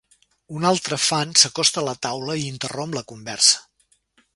Un altre fan s'acosta a la taula i interromp la conversa.